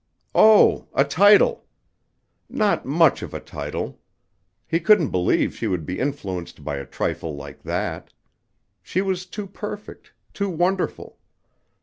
Oh, a title. Not much of a title. He couldn't believe she would be influenced by a trifle like that. She was too perfect, too wonderful.